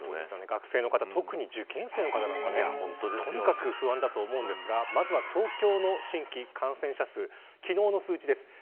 学生の方、特に受験生の方はとにかく不安だと思うんですがまずは、東京の新規感染者数昨日の数値です。